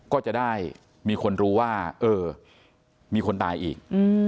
ก็จะได้มีคนรู้ว่าเออมีคนตายอีก